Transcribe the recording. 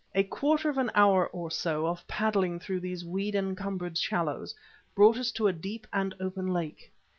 A quarter of an hour or so of paddling through these weed encumbered shallows brought us to the deep and open lake.